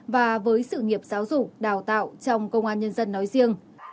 và với sự nghiệp giáo dục đào tạo trong công an nhân dân nói riêng